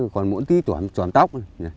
còn mũn tí toàn tóc